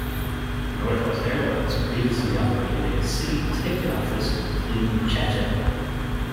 Northwest Airlines previously operated a city ticket office in Chatan.